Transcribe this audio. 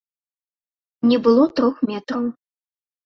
Не было трох метраў.